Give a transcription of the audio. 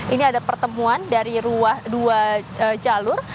ini ada pertemuan dari dua jalur